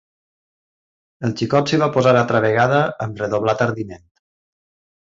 El xicot s'hi va posar altra vegada amb redoblat ardiment.